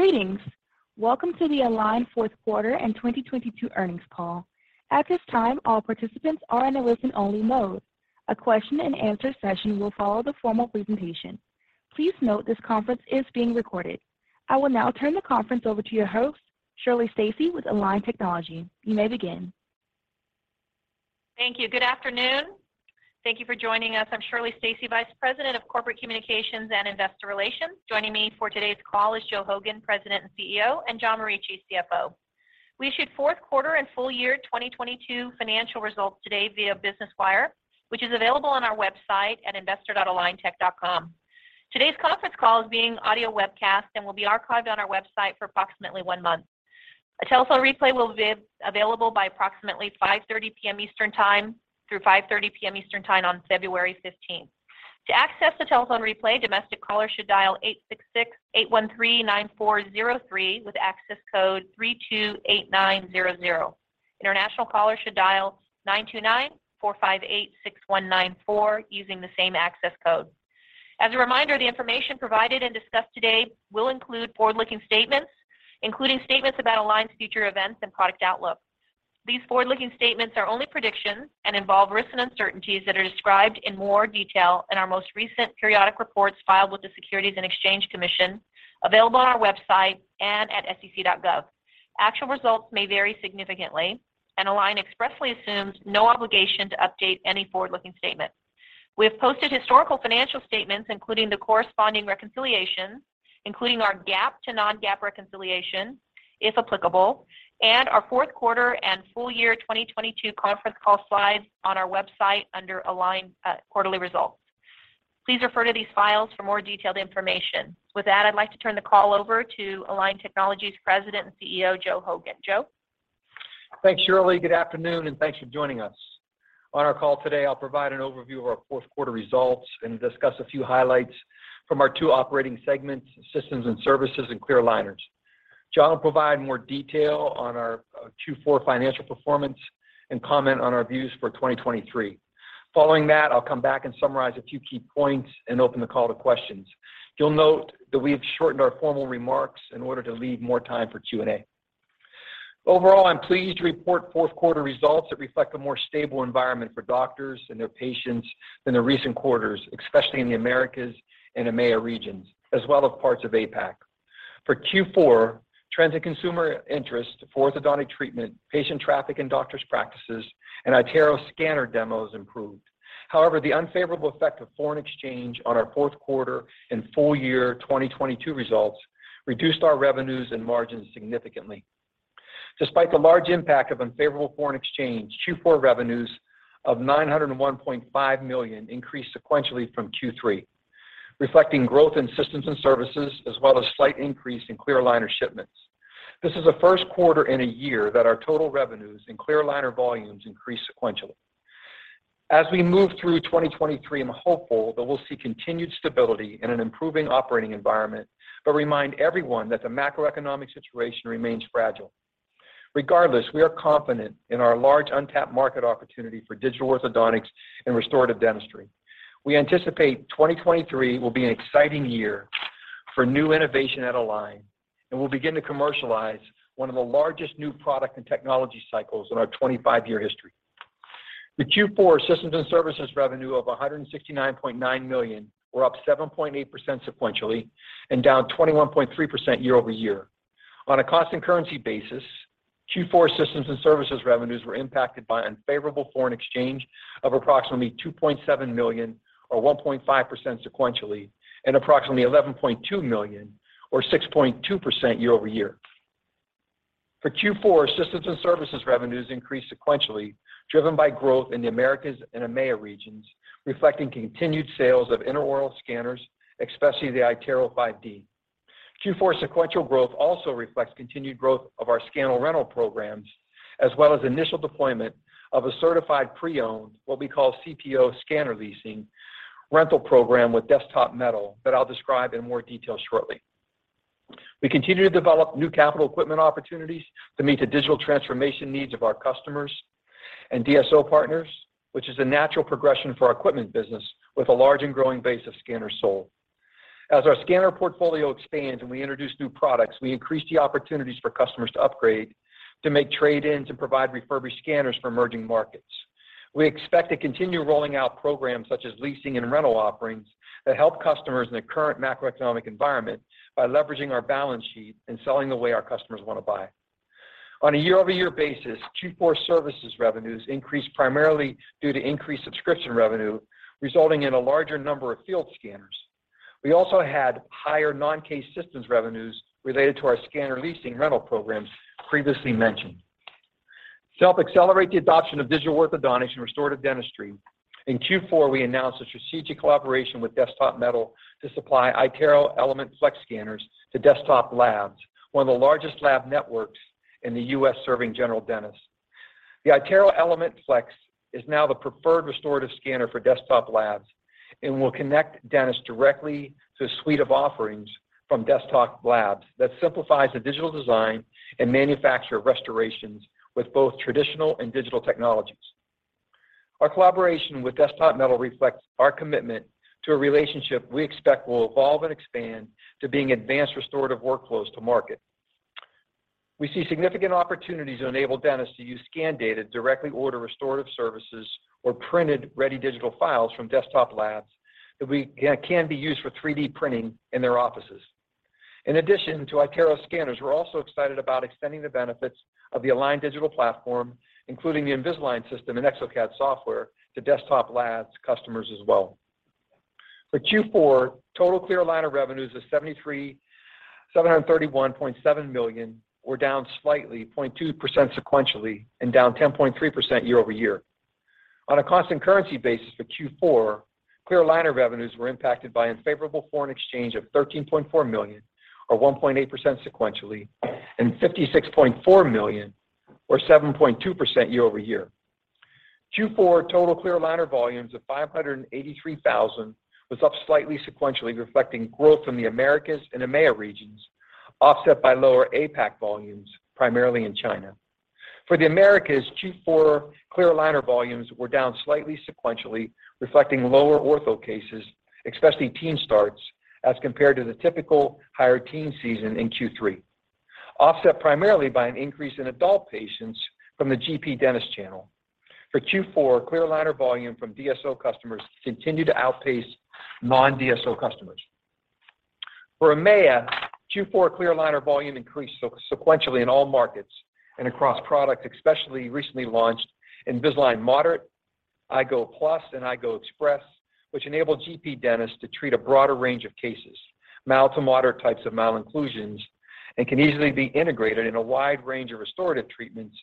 Greetings. Welcome to the Align fourth quarter and 2022 earnings call. At this time, all participants are in a listen-only mode. A question and answer session will follow the formal presentation. Please note this conference is being recorded. I will now turn the conference over to your host, Shirley Stacy, with Align Technology. You may begin. Thank you. Good afternoon. Thank you for joining us. I'm Shirley Stacy, Vice President of Corporate Communications and Investor Relations. Joining me for today's call is Joe Hogan, President and CEO, and John Morici, CFO. We issued fourth quarter and full year 2022 financial results today via Business Wire, which is available on our website at investor.aligntech.com. Today's conference call is being audio webcast and will be archived on our website for approximately one month. A telephone replay will be available by approximately 5:30 P.M. Eastern Time through 5:30 P.M. Eastern Time on February 15th. To access the telephone replay, domestic callers should dial 866-813-9403 with access code 328900. International callers should dial 929-458-6194, using the same access code. As a reminder, the information provided and discussed today will include forward-looking statements, including statements about Align's future events and product outlook. These forward-looking statements are only predictions and involve risks and uncertainties that are described in more detail in our most recent periodic reports filed with the Securities and Exchange Commission, available on our website and at sec.gov. Actual results may vary significantly. Align expressly assumes no obligation to update any forward-looking statements. We have posted historical financial statements, including the corresponding reconciliations, including our GAAP to non-GAAP reconciliation, if applicable, and our fourth quarter and full year 2022 conference call slides on our website under Align at quarterly results. Please refer to these files for more detailed information. With that, I'd like to turn the call over to Align Technology's President and CEO, Joe Hogan. Joe? Thanks, Shirley. Good afternoon, and thanks for joining us. On our call today, I'll provide an overview of our fourth quarter results and discuss a few highlights from our two operating segments, systems and services, and clear aligners. John will provide more detail on our fourth quarter financial performance and comment on our views for 2023. Following that, I'll come back and summarize a few key points and open the call to questions. You'll note that we've shortened our formal remarks in order to leave more time for Q&A. Overall, I'm pleased to report fourth quarter results that reflect a more stable environment for doctors and their patients in the recent quarters, especially in the Americas and EMEA regions, as well as parts of APAC. For Q4, trends in consumer interest for orthodontic treatment, patient traffic in doctors' practices, and iTero scanner demos improved. However, the unfavorable effect of foreign exchange on our fourth quarter and full year 2022 results reduced our revenues and margins significantly. Despite the large impact of unfavorable foreign exchange, Q4 revenues of $901.5 million increased sequentially from Q3, reflecting growth in systems and services, as well as slight increase in clear aligner shipments. This is the first quarter in a year that our total revenues and clear aligner volumes increased sequentially. As we move through 2023, I'm hopeful that we'll see continued stability in an improving operating environment, but remind everyone that the macroeconomic situation remains fragile. Regardless, we are confident in our large untapped market opportunity for digital orthodontics and restorative dentistry. We anticipate 2023 will be an exciting year for new innovation at Align, We'll begin to commercialize one of the largest new product and technology cycles in our 25-year history. The Q4 systems and services revenue of $169.9 million were up $7.8 sequentially and down $21.3 year-over-year. On a cost and currency basis, Q4 systems and services revenues were impacted by unfavorable foreign exchange of approximately $2.7 million or 1.5% sequentially, and approximately $11.2 million or 6.2% year-over-year. For Q4, systems and services revenues increased sequentially, driven by growth in the Americas and EMEA regions, reflecting continued sales of intraoral scanners, especially the iTero 5D. Q4 sequential growth also reflects continued growth of our scanner rental programs, as well as initial deployment of a certified pre-owned, what we call CPO scanner leasing rental program with Desktop Metal that I'll describe in more detail shortly. We continue to develop new capital equipment opportunities to meet the digital transformation needs of our customers and DSO partners, which is a natural progression for our equipment business with a large and growing base of scanners sold. As our scanner portfolio expands and we introduce new products, we increase the opportunities for customers to upgrade, to make trade-ins, and provide refurbished scanners for emerging markets. We expect to continue rolling out programs such as leasing and rental offerings that help customers in the current macroeconomic environment by leveraging our balance sheet and selling the way our customers want to buy. On a year-over-year basis, Q4 services revenues increased primarily due to increased subscription revenue, resulting in a larger number of field scanners. We also had higher non-case systems revenues related to our scanner leasing rental programs previously mentioned. To help accelerate the adoption of digital orthodontics and restorative dentistry, in Q4, we announced a strategic collaboration with Desktop Metal to supply iTero Element Flex scanners to Desktop Labs, one of the largest lab networks in the U.S. serving general dentists. The iTero Element Flex is now the preferred restorative scanner for Desktop Labs and will connect dentists directly to a suite of offerings from Desktop Labs that simplifies the digital design and manufacture restorations with both traditional and digital technologies. Our collaboration with Desktop Metal reflects our commitment to a relationship we expect will evolve and expand to being advanced restorative workflows to market. We see significant opportunities to enable dentists to use scan data to directly order restorative services or printed ready digital files from Desktop Labs that can be used for 3D printing in their offices. In addition to iTero scanners, we're also excited about extending the benefits of the Align digital platform, including the Invisalign system and exocad software, to Desktop Labs customers as well. For Q4, total clear liner revenues is $731.7 million, or down slightly 0.2% sequentially, and down 10.3% year-over-year. On a constant currency basis for Q4, clear liner revenues were impacted by unfavorable foreign exchange of $13.4 million, or 1.8% sequentially, and $56.4 million or 7.2% year-over-year. Q4 total clear aligner volumes of 583,000 was up slightly sequentially, reflecting growth in the Americas and EMEA regions, offset by lower APAC volumes, primarily in China. For the Americas, Q4 clear aligner volumes were down slightly sequentially, reflecting lower ortho cases, especially teen starts, as compared to the typical higher teen season in Q3, offset primarily by an increase in adult patients from the GP dentist channel. For Q4, clear aligner volume from DSO customers continued to outpace non-DSO customers. For EMEA, Q4 clear aligner volume increased sequentially in all markets and across products, especially recently launched Invisalign Moderate, iGo Plus, and iGo Express, which enable GP dentists to treat a broader range of cases, mild to moderate types of malocclusions, and can easily be integrated in a wide range of restorative treatments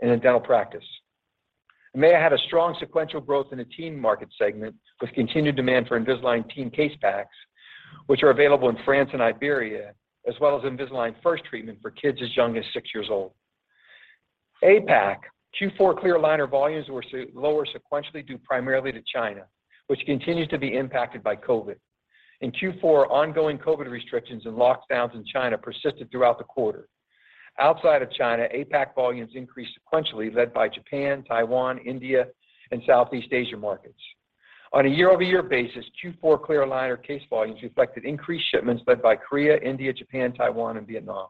in a dental practice. EMEA had a strong sequential growth in the teen market segment, with continued demand for Invisalign Teen case packs, which are available in France and Iberia, as well as Invisalign First treatment for kids as young as six years old. APAC, Q4 clear aligner volumes were lower sequentially due primarily to China, which continues to be impacted by COVID. In Q4, ongoing COVID restrictions and lockdowns in China persisted throughout the quarter. Outside of China, APAC volumes increased sequentially, led by Japan, Taiwan, India, and Southeast Asia markets. On a year-over-year basis, Q4 clear aligner case volumes reflected increased shipments led by Korea, India, Japan, Taiwan, and Vietnam.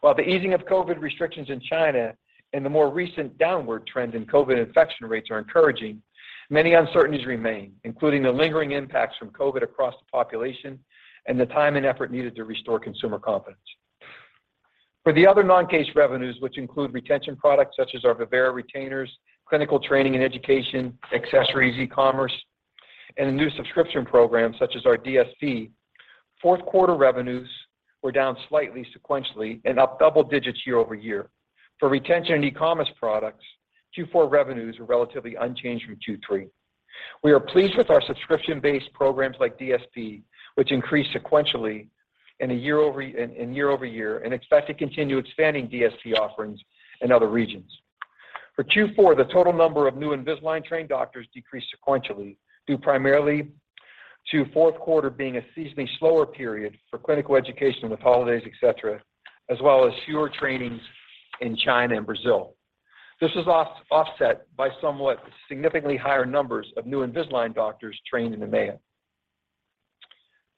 While the easing of COVID restrictions in China and the more recent downward trend in COVID infection rates are encouraging, many uncertainties remain, including the lingering impacts from COVID across the population and the time and effort needed to restore consumer confidence. For the other non-case revenues, which include retention products such as our Vivera retainers, clinical training and education, accessories, e-commerce, and the new subscription program such as our DSP, fourth quarter revenues were down slightly sequentially and up double digits year-over-year. For retention and e-commerce products, Q4 revenues were relatively unchanged from Q3. We are pleased with our subscription-based programs like DSP, which increased sequentially in year-over-year, and expect to continue expanding DSP offerings in other regions. For Q4, the total number of new Invisalign trained doctors decreased sequentially due primarily to fourth quarter being a seasonally slower period for clinical education with holidays, et cetera, as well as fewer trainings in China and Brazil. This was offset by somewhat significantly higher numbers of new Invisalign doctors trained in EMEA.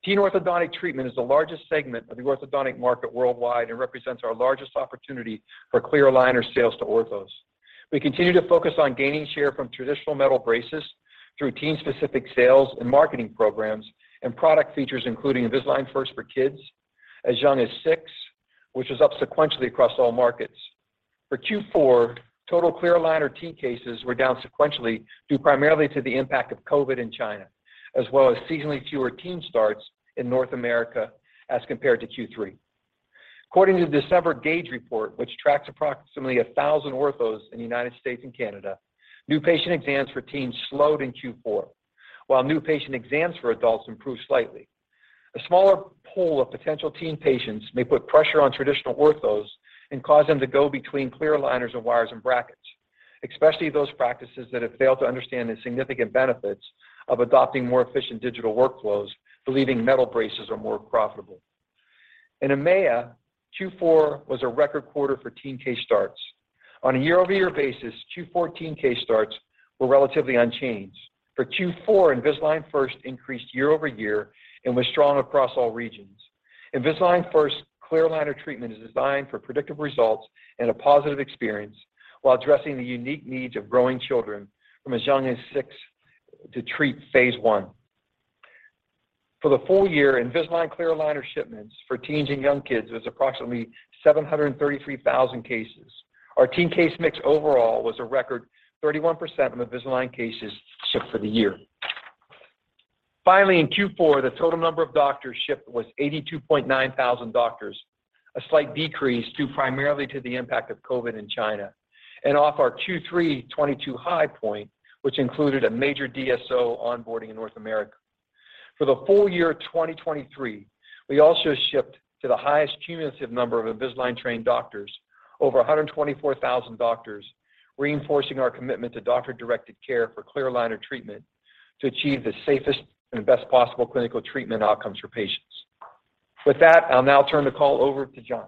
Teen orthodontic treatment is the largest segment of the orthodontic market worldwide and represents our largest opportunity for clear aligner sales to orthos. We continue to focus on gaining share from traditional metal braces through teen specific sales and marketing programs and product features including Invisalign First for kids as young as six, which is up sequentially across all markets. For Q4, total clear aligner teen cases were down sequentially due primarily to the impact of COVID in China, as well as seasonally fewer teen starts in North America as compared to Q3. According to the December Gauge report, which tracks approximately 1,000 orthos in the United States and Canada, new patient exams for teens slowed in Q4, while new patient exams for adults improved slightly. A smaller pool of potential teen patients may put pressure on traditional orthos and cause them to go between clear liners or wires and brackets, especially those practices that have failed to understand the significant benefits of adopting more efficient digital workflows, believing metal braces are more profitable. In EMEA, Q4 was a record quarter for teen case starts. On a year-over-year basis, Q14 case starts were relatively unchanged. For Q4, Invisalign First increased year-over-year and was strong across all regions. Invisalign First clear liner treatment is designed for predictive results and a positive experience while addressing the unique needs of growing children from as young as six to treat phase I. For the full year, Invisalign clear aligner shipments for teens and young kids was approximately 733,000 cases. Our teen case mix overall was a record 31% of Invisalign cases shipped for the year. Finally, in Q4, the total number of doctors shipped was 82.9 thousand doctors, a slight decrease due primarily to the impact of COVID in China, and off our Q3 2022 high point, which included a major DSO onboarding in North America. For the full year 2023, we also shipped to the highest cumulative number of Invisalign trained doctors, over 124,000 doctors, reinforcing our commitment to doctor-directed care for clear aligner treatment to achieve the safest and best possible clinical treatment outcomes for patients. With that, I'll now turn the call over to John.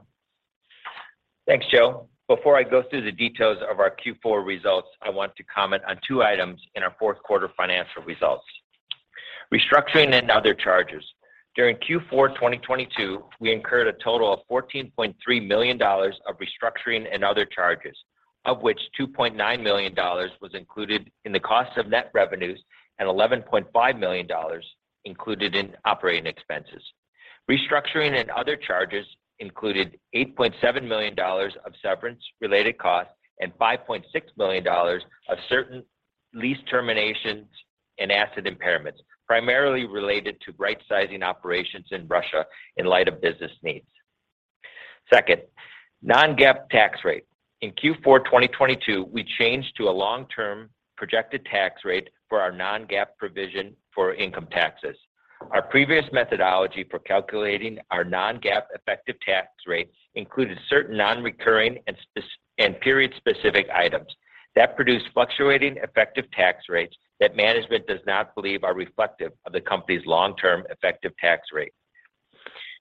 Thanks, Joe. Before I go through the details of our Q4 results, I want to comment on two items in our fourth quarter financial results. Restructuring and other charges. During Q4 2022, we incurred a total of $14.3 million of restructuring and other charges, of which $2.9 million was included in the cost of net revenues and $11.5 million included in operating expenses. Restructuring and other charges included $8.7 million of severance related costs and $5.6 million of certain lease terminations and asset impairments, primarily related to right sizing operations in Russia in light of business needs. Second, non-GAAP tax rate. In Q4 2022, we changed to a long-term projected tax rate for our non-GAAP provision for income taxes. Our previous methodology for calculating our non-GAAP effective tax rate included certain non-recurring and period specific items that produced fluctuating effective tax rates that management does not believe are reflective of the company's long-term effective tax rate.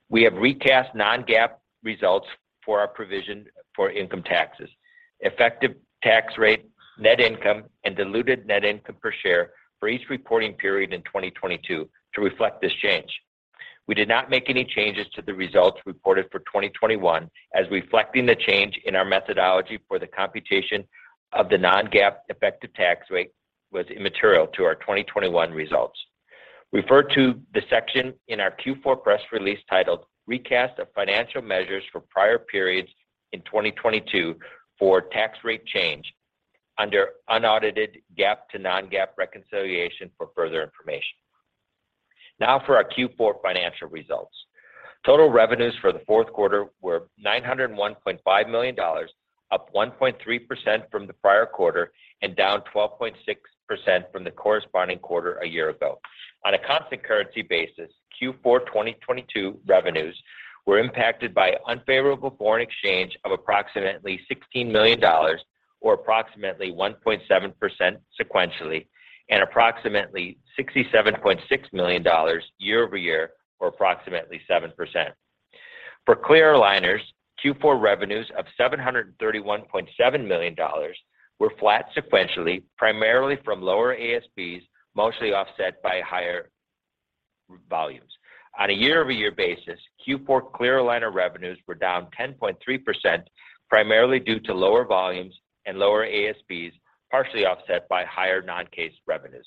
We have recast non-GAAP results for our provision for income taxes, effective tax rate, net income, and diluted net income per share for each reporting period in 2022 to reflect this change. We did not make any changes to the results reported for 2021 as reflecting the change in our methodology for the computation of the non-GAAP effective tax rate was immaterial to our 2021 results. Refer to the section in our Q4 press release titled Recap of Financial Measures for Prior Periods in 2022 for Tax Rate Change Under Unaudited GAAP to Non-GAAP Reconciliation for further information. Now for our Q4 financial results. Total revenues for the fourth quarter were $901.5 million, up 1.3% from the prior quarter and down 12.6% from the corresponding quarter a year ago. On a constant currency basis, Q4 2022 revenues were impacted by unfavorable foreign exchange of approximately $16 million or approximately 1.7% sequentially, and approximately $67.6 million year-over-year or approximately 7%. For clear aligners, Q4 revenues of $731.7 million were flat sequentially, primarily from lower ASPs, mostly offset by higher volumes. On a year-over-year basis, Q4 clear aligner revenues were down 10.3% primarily due to lower volumes and lower ASPs, partially offset by higher non-case revenues.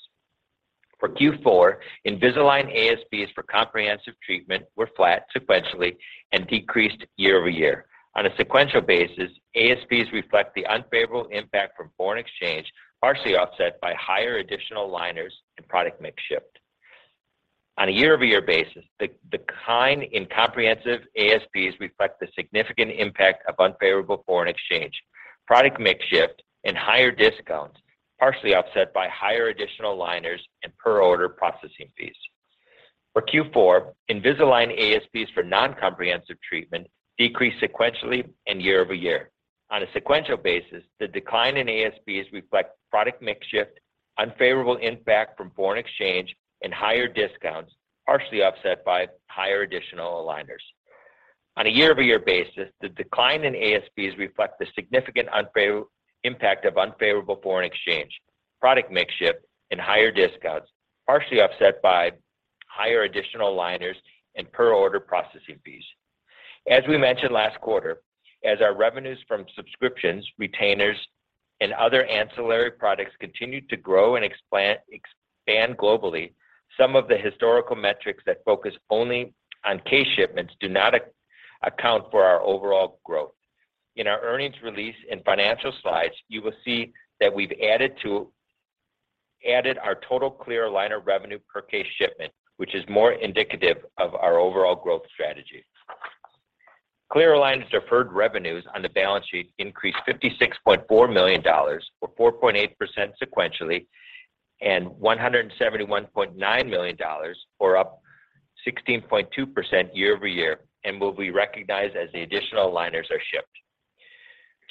For Q4, Invisalign ASPs for comprehensive treatment were flat sequentially and decreased year-over-year. On a sequential basis, ASPs reflect the unfavorable impact from foreign exchange, partially offset by higher additional aligners and product mix shift. On a year-over-year basis, the decline in comprehensive ASPs reflect the significant impact of unfavorable foreign exchange, product mix shift, and higher discounts, partially offset by higher additional aligners and per order processing fees. For Q4, Invisalign ASPs for non-comprehensive treatment decreased sequentially and year-over-year. On a sequential basis, the decline in ASPs reflect product mix shift, unfavorable impact from foreign exchange, and higher discounts, partially offset by higher additional aligners. On a year-over-year basis, the decline in ASPs reflect the significant impact of unfavorable foreign exchange, product mix shift, and higher discounts, partially offset by higher additional aligners and per order processing fees. As we mentioned last quarter, as our revenues from subscriptions, retainers, and other ancillary products continued to grow and expand globally, some of the historical metrics that focus only on case shipments do not account for our overall growth. In our earnings release and financial slides, you will see that we've added our total clear aligner revenue per case shipment, which is more indicative of our overall growth strategy. Clear aligners deferred revenues on the balance sheet increased $56.4 million or 4.8% sequentially, and $171.9 million or up 16.2% year-over-year, and will be recognized as the additional aligners are shipped.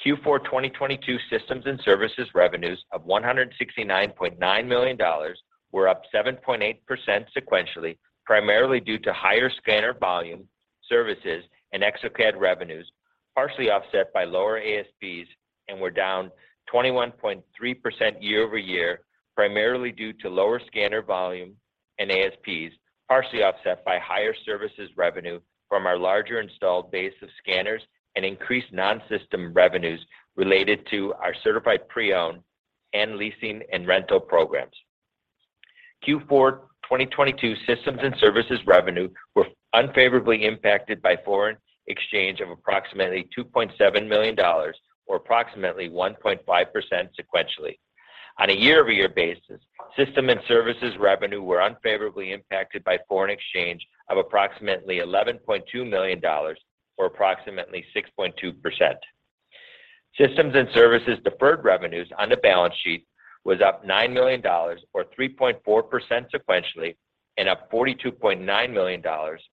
Q4 2022 systems and services revenues of $169.9 million were up 7.8% sequentially, primarily due to higher scanner volume services and exocad revenues, partially offset by lower ASPs and were down 21.3% year-over-year, primarily due to lower scanner volume and ASPs, partially offset by higher services revenue from our larger installed base of scanners and increased non-system revenues related to our certified pre-owned and leasing and rental programs. Q4 2022 systems and services revenue were unfavorably impacted by foreign exchange of approximately $2.7 million or approximately 1.5% sequentially. On a year-over-year basis, system and services revenue were unfavorably impacted by foreign exchange of approximately $11.2 million or approximately 6.2%. Systems and services deferred revenues on the balance sheet was up $9 million or 3.4% sequentially, and up $42.9 million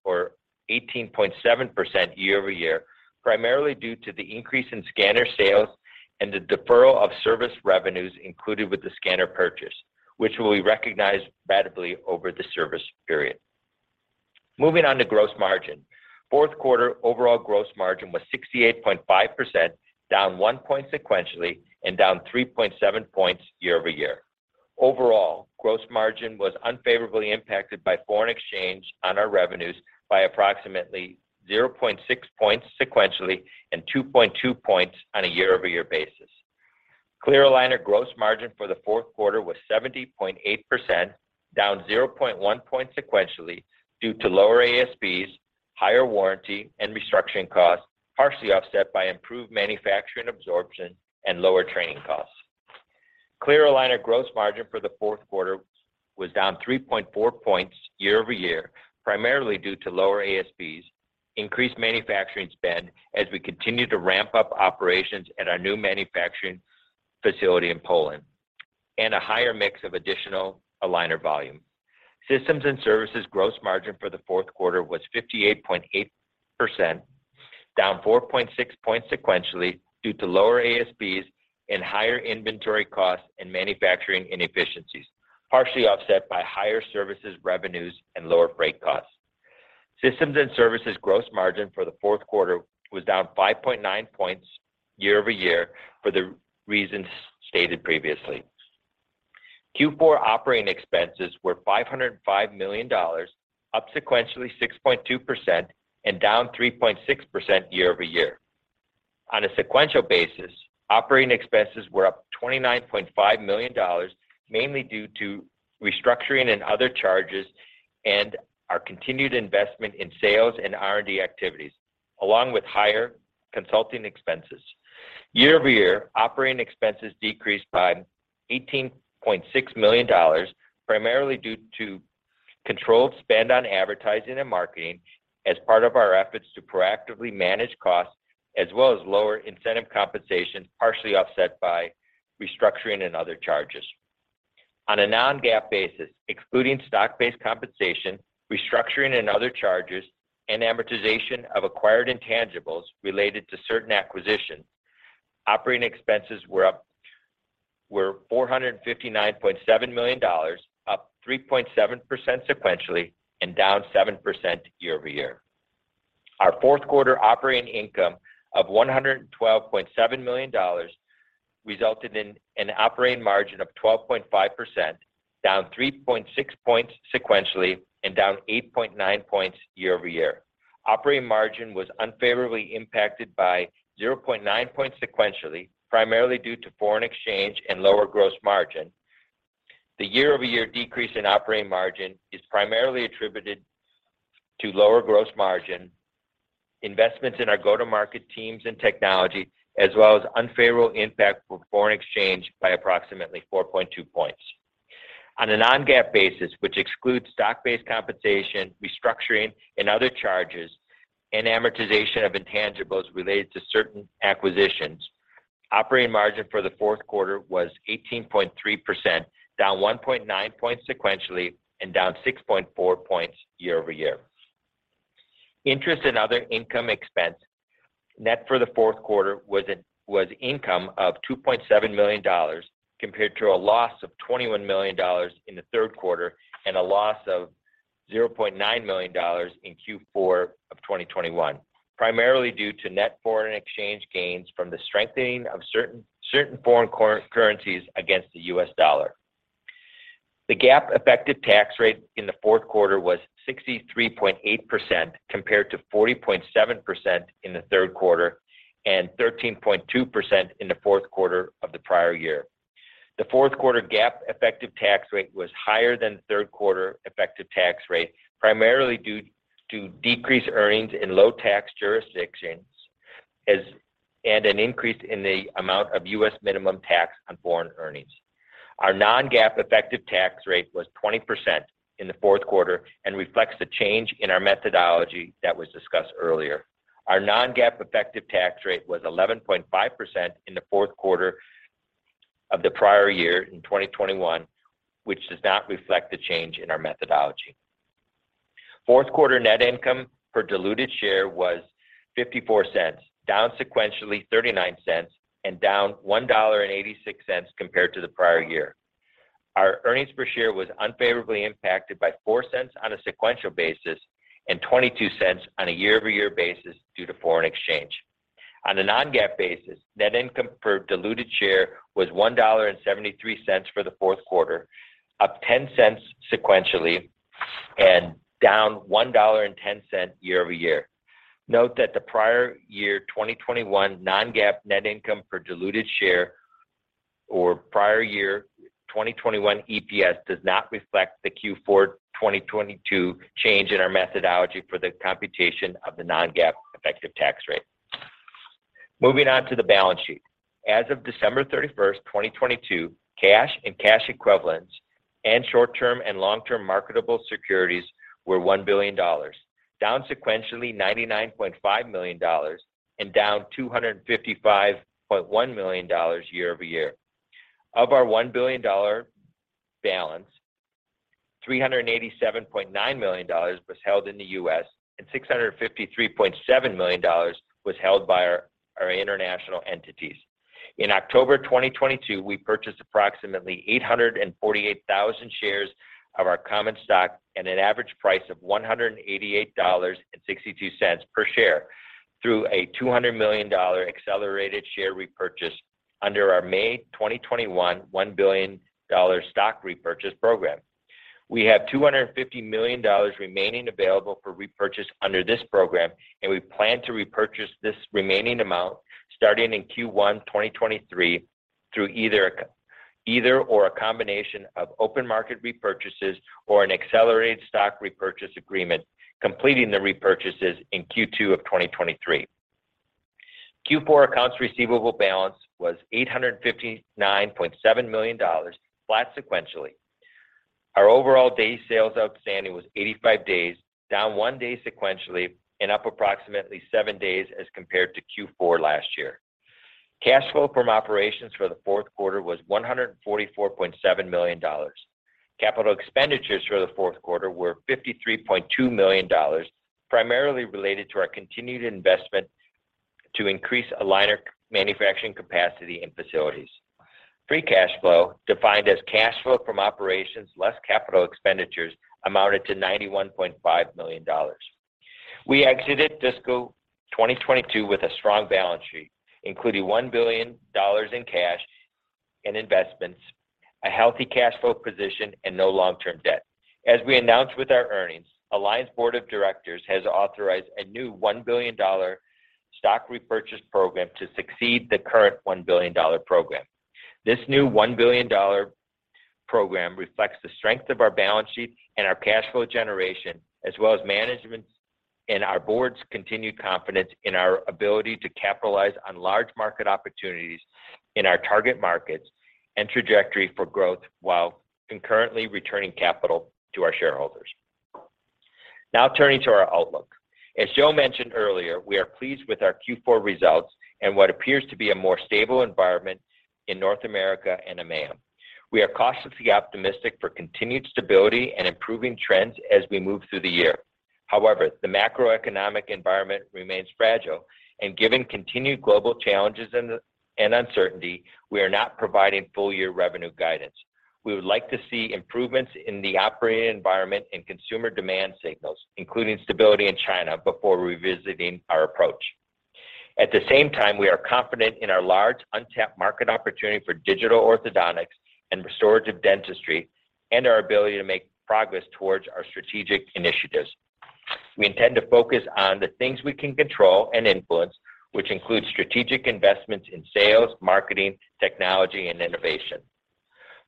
or 18.7% year-over-year, primarily due to the increase in scanner sales and the deferral of service revenues included with the scanner purchase, which will be recognized ratably over the service period. Moving on to gross margin. Fourth quarter overall gross margin was 68.5%, down 1 point sequentially and down 3.7 points year-over-year. Overall, gross margin was unfavorably impacted by foreign exchange on our revenues by approximately 0.6 points sequentially and 2.2 points on a year-over-year basis. Clear aligner gross margin for the fourth quarter was 70.8%, down 0.1 points sequentially due to lower ASPs, higher warranty and restructuring costs, partially offset by improved manufacturing absorption and lower training costs. ClearAligner gross margin for the fourth quarter was down 3.4 points year-over-year, primarily due to lower ASPs, increased manufacturing spend as we continue to ramp up operations at our new manufacturing facility in Poland, and a higher mix of additional aligner volume. Systems and Services gross margin for the fourth quarter was 58.8%, down 4.6 points sequentially due to lower ASPs and higher inventory costs and manufacturing inefficiencies, partially offset by higher services revenues and lower freight costs. Systems and Services gross margin for the fourth quarter was down 5.9 points year-over-year for the reasons stated previously. Q4 operating expenses were $505 million, up sequentially 6.2% and down 3.6% year-over-year. On a sequential basis, operating expenses were up $29.5 million, mainly due to restructuring and other charges and our continued investment in sales and R&D activities, along with higher consulting expenses. Year-over-year, operating expenses decreased by $18.6 million, primarily due to controlled spend on advertising and marketing as part of our efforts to proactively manage costs as well as lower incentive compensation, partially offset by restructuring and other charges. On a non-GAAP basis, excluding stock-based compensation, restructuring and other charges, and amortization of acquired intangibles related to certain acquisitions, operating expenses were $459.7 million, up 3.7% sequentially and down 7% year-over-year. Our fourth quarter operating income of $112.7 million resulted in an operating margin of 12.5%, down 3.6 points sequentially and down 8.9 points year-over-year. Operating margin was unfavorably impacted by 0.9 points sequentially, primarily due to foreign exchange and lower gross margin. The year-over-year decrease in operating margin is primarily attributed to lower gross margin, investments in our go-to-market teams and technology, as well as unfavorable impact from foreign exchange by approximately 4.2 points. On a non-GAAP basis, which excludes stock-based compensation, restructuring and other charges, and amortization of intangibles related to certain acquisitions, operating margin for the fourth quarter was 18.3%, down 1.9 points sequentially and down 6.4 points year-over-year. Interest and other income expense net for the fourth quarter was income of $2.7 million compared to a loss of $21 million in the third quarter and a loss of $0.9 million in Q4 of 2021, primarily due to net foreign exchange gains from the strengthening of certain foreign currencies against the US dollar. The GAAP effective tax rate in the fourth quarter was 63.8% compared to 40.7% in the third quarter and 13.2% in the fourth quarter of the prior year. The fourth quarter GAAP effective tax rate was higher than the third quarter effective tax rate, primarily due to decreased earnings in low tax jurisdictions and an increase in the amount of U.S. minimum tax on foreign earnings. Our non-GAAP effective tax rate was 20% in the fourth quarter and reflects the change in our methodology that was discussed earlier. Our non-GAAP effective tax rate was 11.5% in the fourth quarter of the prior year in 2021, which does not reflect the change in our methodology. Fourth quarter net income per diluted share was $0.54, down sequentially $0.39 and down $1.86 compared to the prior year. Our earnings per share was unfavorably impacted by $0.04 on a sequential basis and $0.22 on a year-over-year basis due to foreign exchange. On a non-GAAP basis, net income per diluted share was $1.73 for the fourth quarter, up $0.10 sequentially and down $1.10 year-over-year. Note that the prior year 2021 non-GAAP net income per diluted share or prior year 2021 EPS does not reflect the Q4 2022 change in our methodology for the computation of the non-GAAP effective tax rate. Moving on to the balance sheet. As of December 31st, 2022, cash and cash equivalents and short-term and long-term marketable securities were $1 billion, down sequentially $99.5 million and down $255.1 million year-over-year. Of our $1 billion balance, $387.9 million was held in the U.S., and $653.7 million was held by our international entities. In October 2022, we purchased approximately 848,000 shares of our common stock at an average price of $188.62 per share through a $200 million accelerated share repurchase under our May 2021, $1 billion stock repurchase program. We have $250 million remaining available for repurchase under this program. We plan to repurchase this remaining amount starting in Q1 2023 through either or a combination of open market repurchases or an accelerated stock repurchase agreement, completing the repurchases in Q2 of 2023. Q4 accounts receivable balance was $859.7 million, flat sequentially. Our overall day sales outstanding was 85 days, down one day sequentially and up approximately seven days as compared to Q4 last year. Cash flow from operations for the fourth quarter was $144.7 million. Capital expenditures for the fourth quarter were $53.2 million, primarily related to our continued investment to increase aligner manufacturing capacity and facilities. Free cash flow, defined as cash flow from operations less capital expenditures, amounted to $91.5 million. We exited fiscal 2022 with a strong balance sheet, including $1 billion in cash and investments, a healthy cash flow position, and no long-term debt. As we announced with our earnings, Align's board of directors has authorized a new $1 billion stock repurchase program to succeed the current $1 billion program. This new $1 billion program reflects the strength of our balance sheet and our cash flow generation, as well as management's and our board's continued confidence in our ability to capitalize on large market opportunities in our target markets and trajectory for growth while concurrently returning capital to our shareholders. Now turning to our outlook. As Joe mentioned earlier, we are pleased with our Q4 results and what appears to be a more stable environment in North America and EMEA. We are cautiously optimistic for continued stability and improving trends as we move through the year. However, the macroeconomic environment remains fragile. Given continued global challenges and uncertainty, we are not providing full year revenue guidance. We would like to see improvements in the operating environment and consumer demand signals, including stability in China, before revisiting our approach. At the same time, we are confident in our large untapped market opportunity for digital orthodontics and restorative dentistry, and our ability to make progress towards our strategic initiatives. We intend to focus on the things we can control and influence, which includes strategic investments in sales, marketing, technology, and innovation.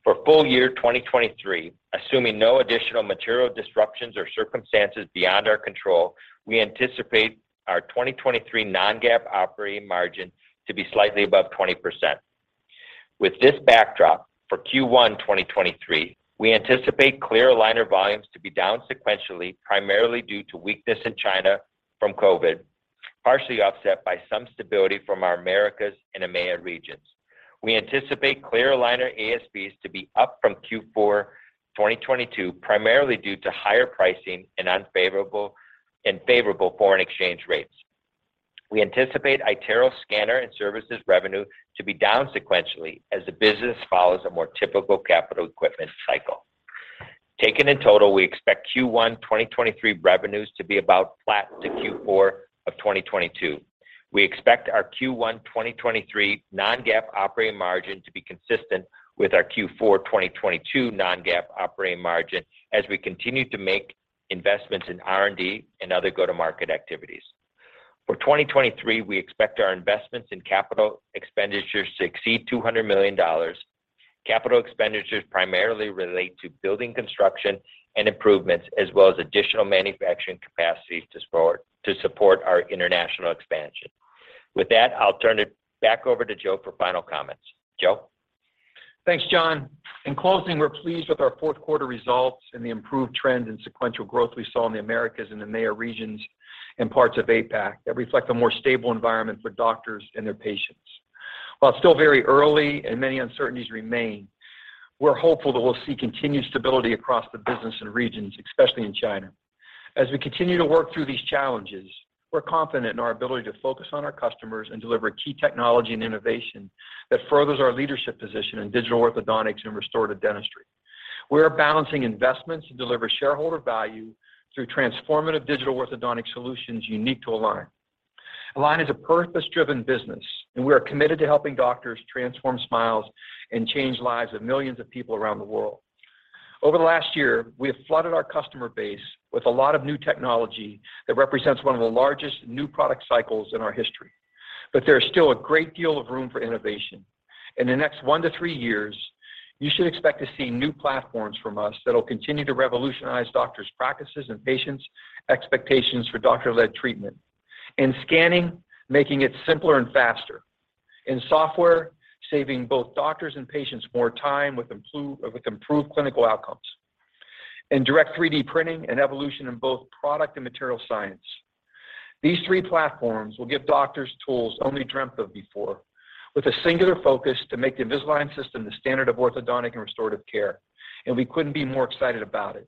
For full year 2023, assuming no additional material disruptions or circumstances beyond our control, we anticipate our 2023 non-GAAP operating margin to be slightly above 20%. With this backdrop, for Q1 2023, we anticipate clear aligner volumes to be down sequentially, primarily due to weakness in China from COVID, partially offset by some stability from our Americas and EMEA regions. We anticipate clear aligner ASPs to be up from Q4 2022, primarily due to higher pricing and favorable foreign exchange rates. We anticipate iTero scanner and services revenue to be down sequentially as the business follows a more typical capital equipment cycle. Taken in total, we expect Q1 2023 revenues to be about flat to Q4 of 2022. We expect our Q1 2023 non-GAAP operating margin to be consistent with our Q4 2022 non-GAAP operating margin as we continue to make investments in R&D and other go-to-market activities. For 2023, we expect our investments in capital expenditures to exceed $200 million. Capital expenditures primarily relate to building construction and improvements, as well as additional manufacturing capacity to support our international expansion. With that, I'll turn it back over to Joe for final comments. Joe? Thanks, John. In closing, we're pleased with our fourth quarter results and the improved trend in sequential growth we saw in the Americas and EMEA regions and parts of APAC that reflect a more stable environment for doctors and their patients. While it's still very early and many uncertainties remain, we're hopeful that we'll see continued stability across the business and regions, especially in China. As we continue to work through these challenges, we're confident in our ability to focus on our customers and deliver key technology and innovation that furthers our leadership position in digital orthodontics and restorative dentistry. We are balancing investments to deliver shareholder value through transformative digital orthodontic solutions unique to Align. Align is a purpose-driven business, and we are committed to helping doctors transform smiles and change lives of millions of people around the world. Over the last year, we have flooded our customer base with a lot of new technology that represents one of the largest new product cycles in our history. There is still a great deal of room for innovation. In the next one to three years, you should expect to see new platforms from us that will continue to revolutionize doctors' practices and patients' expectations for doctor-led treatment. In scanning, making it simpler and faster. In software, saving both doctors and patients more time with improved clinical outcomes. In direct 3D printing and evolution in both product and material science. These three platforms will give doctors tools only dreamt of before, with a singular focus to make the Invisalign system the standard of orthodontic and restorative care, and we couldn't be more excited about it.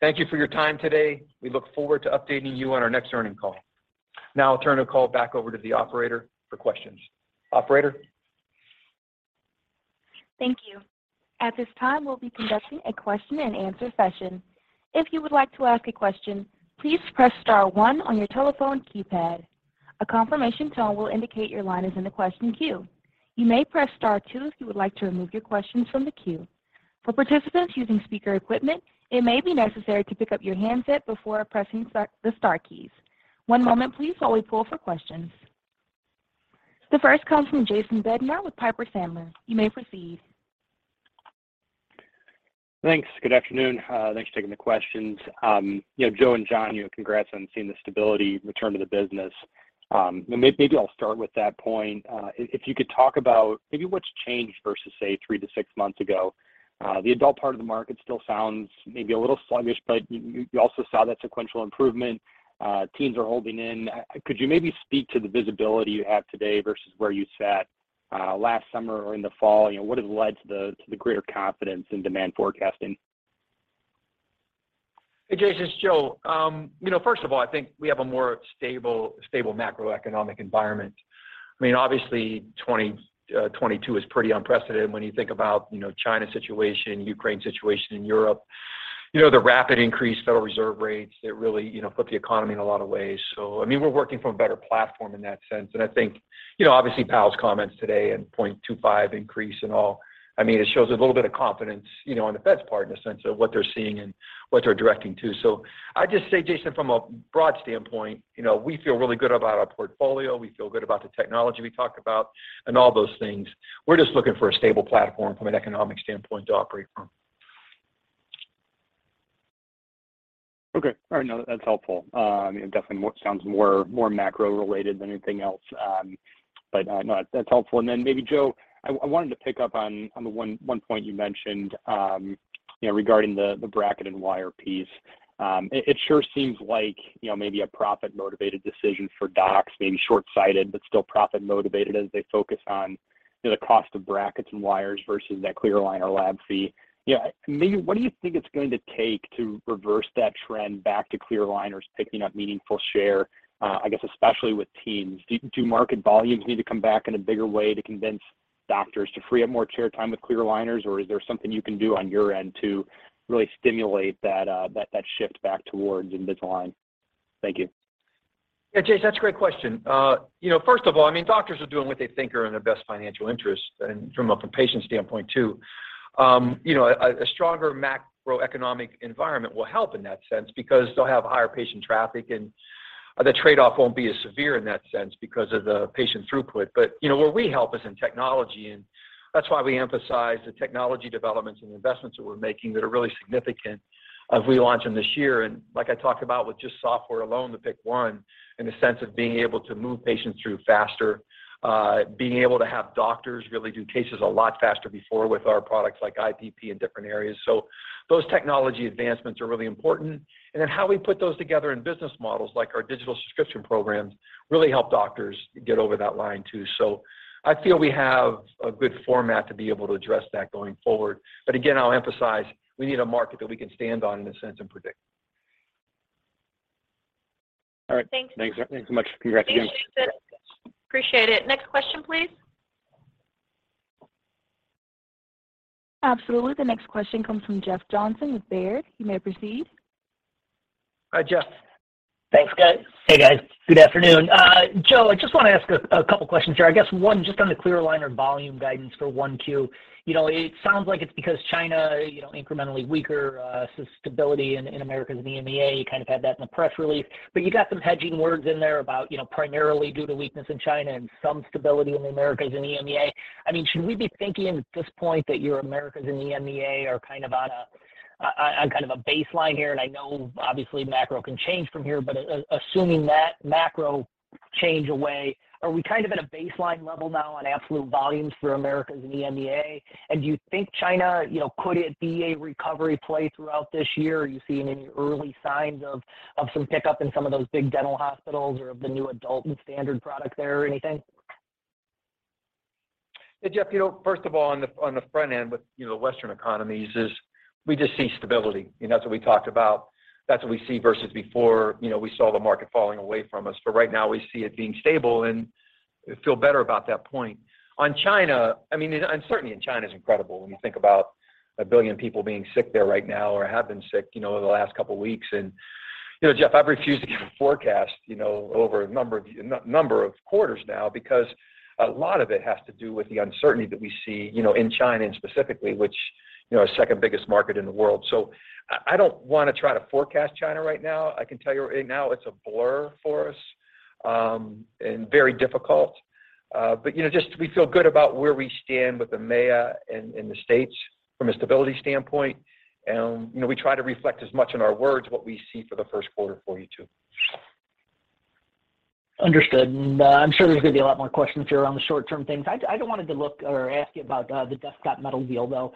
Thank you for your time today. We look forward to updating you on our next earnings call. Now I'll turn the call back over to the Operator for questions. Operator? Thank you. At this time, we'll be conducting a question and answer session. If you would like to ask a question, please press star one on your telephone keypad. A confirmation tone will indicate your line is in the question queue. You may press star two if you would like to remove your questions from the queue. For participants using speaker equipment, it may be necessary to pick up your handset before pressing the star keys. One moment please while we poll for questions. The first comes from Jason Bednar with Piper Sandler. You may proceed. Thanks. Good afternoon. Thanks for taking the questions. You know, Joe and John, you know, congrats on seeing the stability return to the business. And maybe I'll start with that point. If you could talk about maybe what's changed versus, say, three to six months ago. The adult part of the market still sounds maybe a little sluggish, but you also saw that sequential improvement, teens are holding in. Could you maybe speak to the visibility you have today versus where you sat, last summer or in the fall? You know, what has led to the greater confidence in demand forecasting? Hey, Jason, it's Joe. you know, first of all, I think we have a more stable macroeconomic environment. I mean, obviously 2022 is pretty unprecedented when you think about, you know, China's situation, Ukraine's situation in Europe. You know, the rapid increase Federal Reserve rates that really, you know, put the economy in a lot of ways. I mean, we're working from a better platform in that sense. I think, you know, obviously, Powell's comments today and 0.25 increase and all, I mean, it shows a little bit of confidence, you know, on the Fed's part in the sense of what they're seeing and what they're directing to. I'd just say, Jason, from a broad standpoint, you know, we feel really good about our portfolio. We feel good about the technology we talked about and all those things. We're just looking for a stable platform from an economic standpoint to operate from. Okay. All right, no, that's helpful. It definitely sounds more, more macro-related than anything else. No, that's helpful. Maybe Joe, I wanted to pick up on the one point you mentioned, you know, regarding the bracket and wire piece. It sure seems like, you know, maybe a profit-motivated decision for docs, maybe short-sighted, but still profit motivated as they focus on, you know, the cost of brackets and wires versus that clear aligner lab fee. You know, maybe what do you think it's going to take to reverse that trend back to clear aligners picking up meaningful share, I guess especially with teens? Do market volumes need to come back in a bigger way to convince doctors to free up more chair time with clear aligners? Is there something you can do on your end to really stimulate that shift back towards Invisalign? Thank you. Yeah, Jason, that's a great question. You know, first of all, I mean, doctors are doing what they think are in their best financial interest and from a patient standpoint too. You know, a stronger macroeconomic environment will help in that sense because they'll have higher patient traffic, and the trade-off won't be as severe in that sense because of the patient throughput. You know, where we help is in technology, and that's why we emphasize the technology developments and investments that we're making that are really significant as we launch them this year. Like I talked about with just software alone, the PicOne, in the sense of being able to move patients through faster, being able to have doctors really do cases a lot faster before with our products like iPP in different areas. Those technology advancements are really important. How we put those together in business models, like our digital subscription programs, really help doctors get over that line too. So, I feel we have a good format to be able to address that going forward. And again, I'll emphasize, we need a market that we can stand on in a sense and predict. All right. Thanks. Thanks. Thanks so much. Congrats again. Thanks, Jason. Appreciate it. Next question, please. Absolutely. The next question comes from Jeff Johnson with Baird. You may proceed. Hi, Jeff. Thanks, guys. Hey, guys. Good afternoon. Joe, I just want to ask a couple questions here. I guess one, just on the clear aligner volume guidance for 1Q. You know, it sounds like it's because China, you know, incrementally weaker, stability in Americas and EMEA, you kind of had that in the press release. You got some hedging words in there about, you know, primarily due to weakness in China and some stability in the Americas and EMEA. I mean, should we be thinking at this point that your Americas and EMEA are kind of on a kind of a baseline here? I know obviously macro can change from here, but assuming that macro change away, are we kind of at a baseline level now on absolute volumes for Americas and EMEA? Do you think China, you know, could it be a recovery play throughout this year? Are you seeing any early signs of some pickup in some of those big dental hospitals or of the new adult and standard product there or anything? Hey, Jeff, you know, first of all, on the, on the front end with, you know, Western economies is we just see stability. You know, that's what we talked about. That's what we see versus before, you know, we saw the market falling away from us. Right now we see it being stable and feel better about that point. On China, I mean, uncertainty in China is incredible when you think about 1 billion people being sick there right now or have been sick, you know, over the last couple weeks. You know, Jeff, I've refused to give a forecast, you know, over a number of quarters now because a lot of it has to do with the uncertainty that we see, you know, in China and specifically, which, you know, is second-biggest market in the world. So, I don't wanna try to forecast China right now. I can tell you right now it's a blur for us, and very difficult. You know, just we feel good about where we stand with EMEA and in the States from a stability standpoint. You know, we try to reflect as much in our words what we see for the first quarter for you too. Understood. I'm sure there's gonna be a lot more questions here around the short-term things. I did wanted to look or ask you about the Desktop Metal deal, though.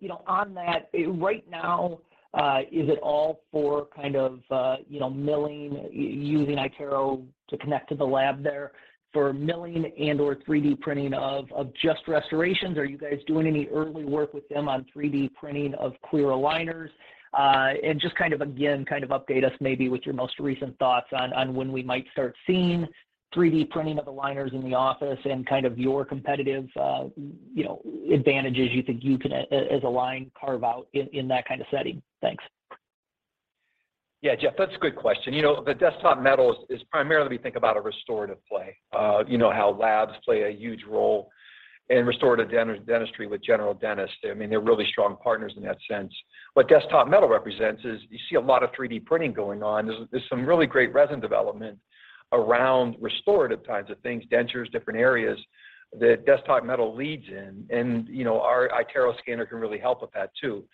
You know, on that, right now, is it all for kind of, you know, milling, using iTero to connect to the lab there for milling and/or 3D printing of just restorations? Are you guys doing any early work with them on 3D printing of clear aligners? Just kind of again, kind of update us maybe with your most recent thoughts on when we might start seeing 3D printing of aligners in the office and kind of your competitive, you know, advantages you think you can as Align carve out in that kind of setting. Thanks. Yeah, Jeff, that's a good question. You know, the Desktop Metal is primarily we think about a restorative play. You know how labs play a huge role in restorative dentistry with general dentists. I mean, they're really strong partners in that sense. What Desktop Metal represents is you see a lot of 3D printing going on. There's some really great resin development around restorative types of things, dentures, different areas that Desktop Metal leads in. You know, our iTero scanner can really help with that too.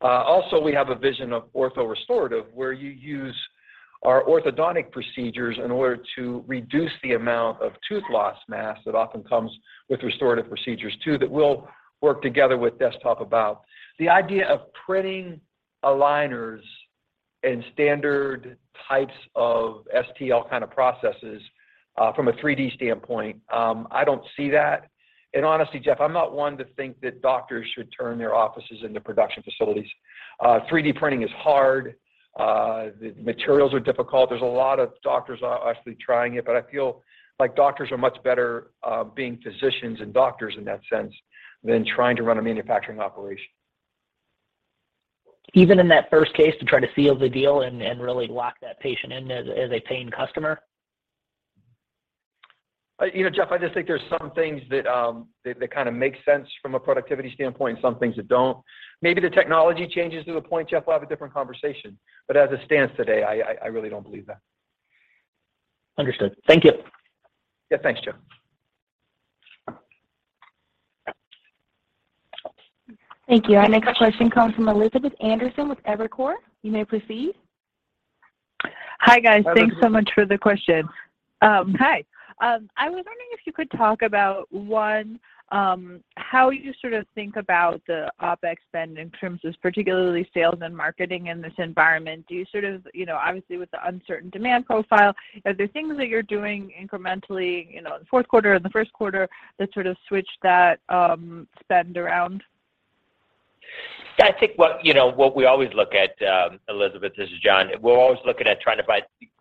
Also we have a vision of ortho restorative, where you use our orthodontic procedures in order to reduce the amount of tooth loss mass that often comes with restorative procedures too, that we'll work together with Desktop about. The idea of printing aligners and standard types of STL kind of processes from a 3D standpoint, I don't see that. Honestly, Jeff, I'm not one to think that doctors should turn their offices into production facilities. 3D printing is hard. The materials are difficult. There's a lot of doctors actually trying it, but I feel like doctors are much better being physicians and doctors in that sense than trying to run a manufacturing operation. Even in that first case to try to seal the deal and really lock that patient in as a paying customer? You know, Jeff, I just think there's some things that kind of make sense from a productivity standpoint and some things that don't. Maybe the technology changes to the point, Jeff, we'll have a different conversation, but as it stands today, I really don't believe that. Understood. Thank you. Yeah. Thanks, Jeff. Thank you. Our next question comes from Elizabeth Anderson with Evercore. You may proceed. Hi, guys. Thanks so much for the question. Hi. I was wondering if you could talk about, one, how you sort of think about the OpEx spend in terms of particularly sales and marketing in this environment. You know, obviously with the uncertain demand profile, are there things that you're doing incrementally, you know, in the fourth quarter or the first quarter that sort of switch that spend around? Yeah. I think what, you know, what we always look at, Elizabeth, this is John. We're always looking at trying to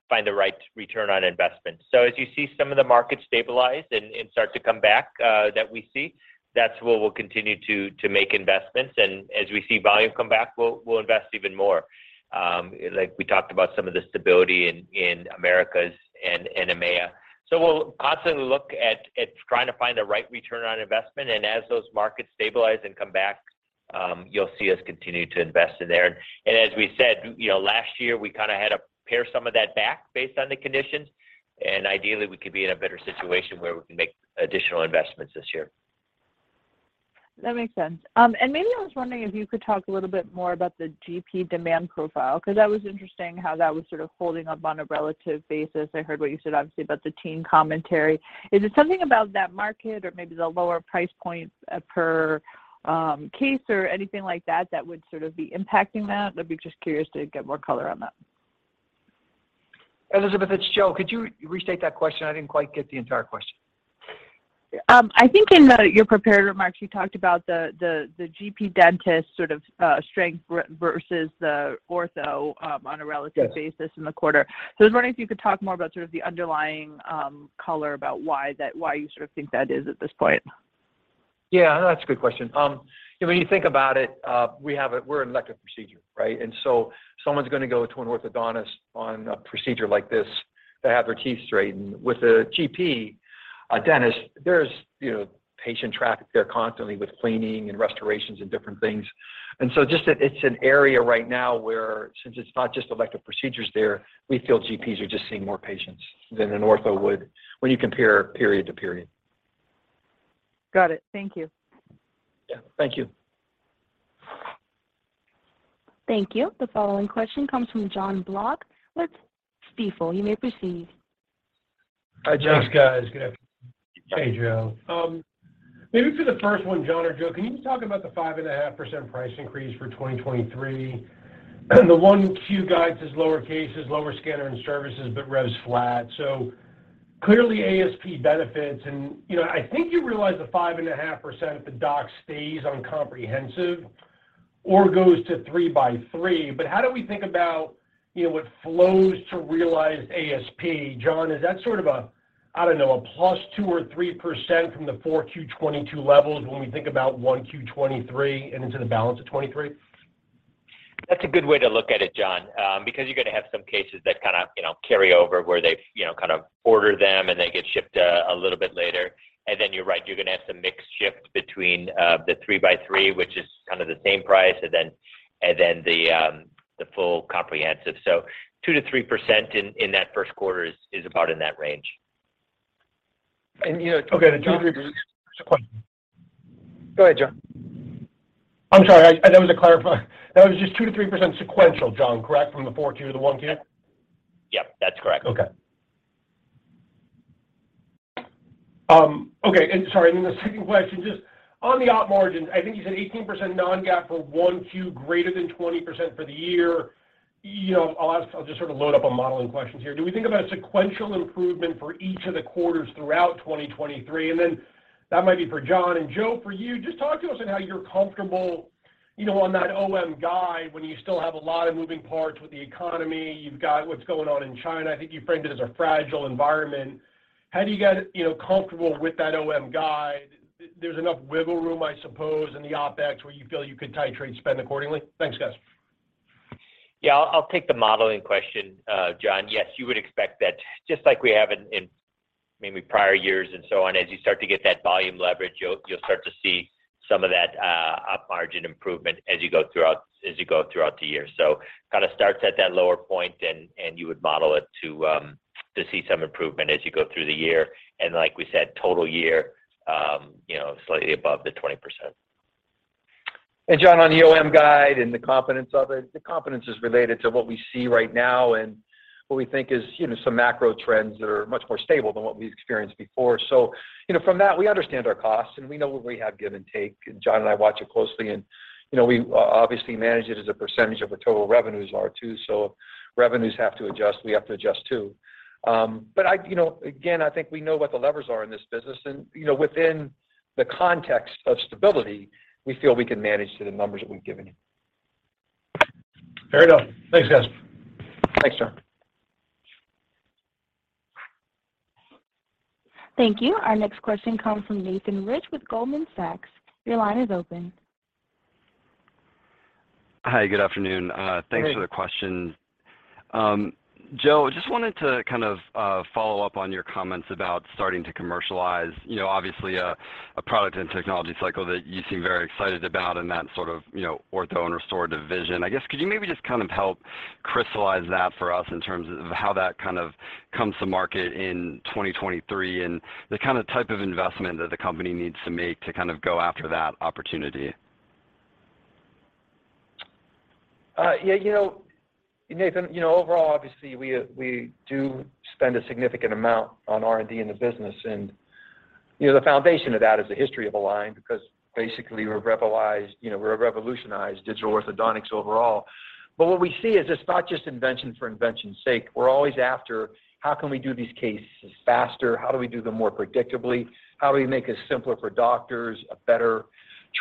find the right return on investment. As you see some of the markets stabilize and start to come back, that we see, that's where we'll continue to make investments. As we see volume come back, we'll invest even more. Like we talked about some of the stability in Americas and EMEA. We'll constantly look at trying to find the right return on investment, and as those markets stabilize and come back, you'll see us continue to invest in there. As we said, you know, last year we kind of had to pare some of that back based on the conditions, and ideally we could be in a better situation where we can make additional investments this year. That makes sense. And maybe I was wondering if you could talk a little bit more about the GP demand profile, because that was interesting how that was sort of holding up on a relative basis. I heard what you said obviously about the teen commentary. Is it something about that market or maybe the lower price points per case or anything like that that would sort of be impacting that? I'd be just curious to get more color on that. Elizabeth, it's Joe. Could you restate that question? I didn't quite get the entire question. I think in your prepared remarks, you talked about the GP dentist sort of strength versus the ortho, on a relative-. Yes basis in the quarter. I was wondering if you could talk more about sort of the underlying color about why you sort of think that is at this point? Yeah, no, that's a good question. You know, when you think about it, we're an elective procedure, right? And so, someone's gonna go to an orthodontist on a procedure like this to have their teeth straightened. With a GP, a dentist, there's, you know, patient traffic there constantly with cleaning and restorations and different things. And so, just that it's an area right now where since it's not just elective procedures there, we feel GPs are just seeing more patients than an ortho would when you compare period to period. Got it. Thank you. Yeah. Thank you. Thank you. The following question comes from Jon Block with Stifel. You may proceed. Hi, John. Thanks, guys. Hey, Joe. Maybe for the first one, John or Joe, can you just talk about the 5.5% price increase for 2023? The 1Q guide says lower cases, lower scanner and services, revs flat. Clearly ASP benefits and, you know, I think you realize the 5.5% if the doc stays on comprehensive or goes to 3x3. How do we think about, you know, what flows to realized ASP? John, is that sort of a, I don't know, a +2% or 3% from the 4Q 2022 levels when we think about 1Q 2023 and into the balance of 2023? That's a good way to look at it, Jon, because you're gonna have some cases that kind of, you know, carry over where they've, you know, kind of ordered them and they get shipped a little bit later. And then you're right, you're gonna have some mix shift between the 3x3, which is kind of the same price, and then the full comprehensive. 2% to 3% in that first quarter is about in that range. You know. Okay. Did John- the first question. Go ahead, John. I'm sorry. I. That was to clarify. That was just 2% to 3% sequential, John, correct? From the four Q to the one Q? Yeah. That's correct. Okay. Okay. Sorry, then the second question just on the Op margins. I think you said 18% non-GAAP for Q1, greater than 20% for the year. You know, I'll just sort of load up a model in questions here. Do we think about sequential improvement for each of the quarters throughout 2023? Then that might be for John. Joe, for you, just talk to us on how you're comfortable, you know, on that OM guide when you still have a lot of moving parts with the economy. You've got what's going on in China. I think you framed it as a fragile environment. How do you get, you know, comfortable with that OM guide? There's enough wiggle room, I suppose, in the OpEx where you feel you could titrate spend accordingly? Thanks, guys. Yeah, I'll take the modeling question, John. Yes, you would expect that just like we have in maybe prior years and so on, as you start to get that volume leverage, you'll start to see some of that margin improvement as you go throughout the year. Kind of starts at that lower point and you would model it to see some improvement as you go through the year. Like we said, total year, you know, slightly above the 20%. John, on the OM guide and the confidence of it, the confidence is related to what we see right now and what we think is, you know, some macro trends that are much more stable than what we've experienced before. From that, you know, we understand our costs, and we know what we have, give and take. John and I watch it closely and, you know, we obviously manage it as a percentage of what total revenues are too. If revenues have to adjust, we have to adjust too. I, you know, again, I think we know what the levers are in this business and, you know, within the context of stability, we feel we can manage to the numbers that we've given you. Fair enough. Thanks, guys. Thanks, Jon. Thank you. Our next question comes from Nathan Rich with Goldman Sachs. Your line is open. Hi, good afternoon. Hey. Thanks for the questions. Joe, just wanted to kind of follow up on your comments about starting to commercialize, you know, obviously a product and technology cycle that you seem very excited about, and that sort of, you know, ortho and restorative vision. I guess, could you maybe just kind of help crystallize that for us in terms of how that kind of comes to market in 2023, and the kind of type of investment that the company needs to make to kind of go after that opportunity? Yeah, you know, Nathan, you know, overall obviously we do spend a significant amount on R&D in the business and, you know, the foundation of that is the history of Align because basically we revolutionized, you know, we revolutionized digital orthodontics overall. What we see is it's not just invention for invention's sake. We're always after how can we do these cases faster, how do we do them more predictably, how do we make it simpler for doctors, a better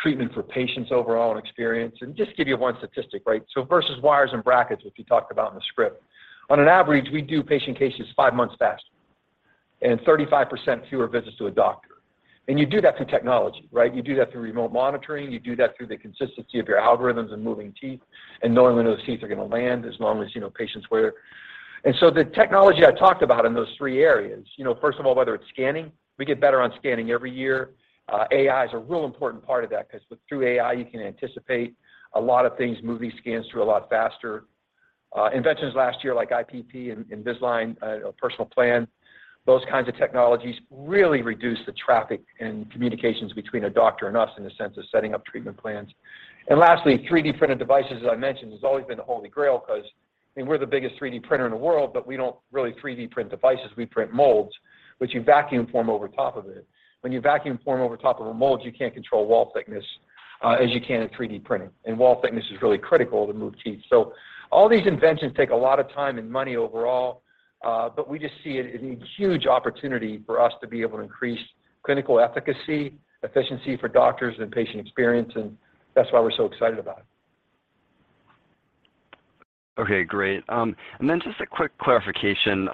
treatment for patients' overall experience? Just to give you one statistic, right? Versus wires and brackets, which we talked about in the script, on an average, we do patient cases five months faster and 35% fewer visits to a doctor. You do that through technology, right? You do that through remote monitoring. You do that through the consistency of your algorithms and moving teeth and knowing when those teeth are gonna land as long as, you know, patients wear. The technology I talked about in those three areas, you know, first of all, whether it's scanning, we get better on scanning every year. AI is a real important part of that 'cause through AI, you can anticipate a lot of things, move these scans through a lot faster. Inventions last year, like IPP and Invisalign Personalized Plan, those kinds of technologies really reduce the traffic and communications between a doctor and us in the sense of setting up treatment plans. Lastly, 3D printed devices, as I mentioned, has always been the holy grail because, I mean, we're the biggest 3D printer in the world, but we don't really 3D print devices. We print molds, which you vacuum form over top of it. When you vacuum form over top of a mold, you can't control wall thickness, as you can in 3D printing, and wall thickness is really critical to move teeth. All these inventions take a lot of time and money overall, but we just see it as a huge opportunity for us to be able to increase clinical efficacy, efficiency for doctors and patient experience, and that's why we're so excited about it. Okay, great. Just a quick clarification.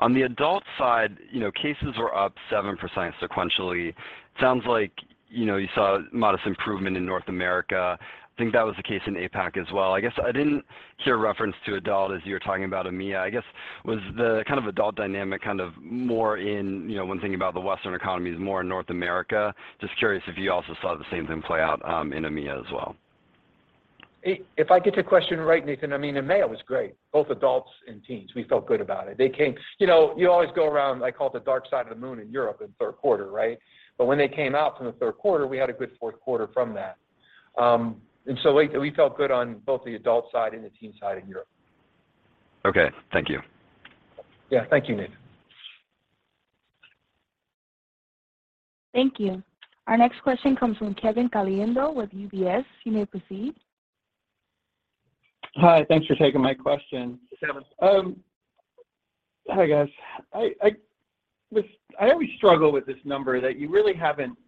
On the adult side, you know, cases are up 7% sequentially. Sounds like, you know, you saw modest improvement in North America. I think that was the case in APAC as well. I guess I didn't hear reference to adult as you were talking about EMEA. I guess, was the kind of adult dynamic kind of more in, you know, when thinking about the Western economies, more in North America? Just curious if you also saw the same thing play out in EMEA as well. If I get your question right, Nathan, I mean, EMEA was great, both adults and teens. We felt good about it. You know, you always go around, I call it the dark side of the moon in Europe in the third quarter, right? When they came out from the third quarter, we had a good fourth quarter from that. We felt good on both the adult side and the teen side in Europe. Okay, thank you. Yeah. Thank you, Nathan. Thank you. Our next question comes from Kevin Caliendo with UBS. You may proceed. Hi. Thanks for taking my question. Kevin. Hi, guys. I always struggle with this number that you really haven't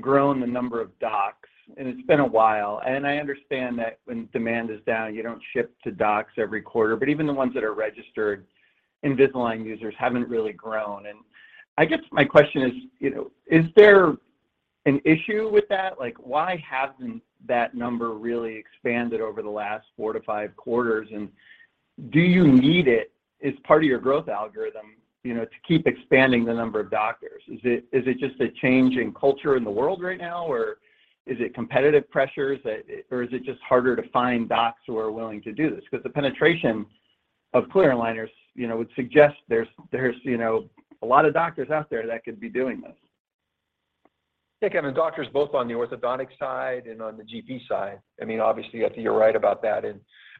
grown the number of docs, and it's been a while. And I understand that when demand is down, you don't ship to docs every quarter. Even the ones that are registered Invisalign users haven't really grown. I guess my question is, you know, is there an issue with that? Like, why hasn't that number really expanded over the last four to five quarters? And do you need it as part of your growth algorithm, you know, to keep expanding the number of doctors? Is it just a change in culture in the world right now, or is it competitive pressures or is it just harder to find docs who are willing to do this? The penetration of clear aligners, you know, would suggest there's, you know, a lot of doctors out there that could be doing this. Yeah, Kevin, doctors both on the orthodontic side and on the GP side. I mean, obviously, I think you're right about that. I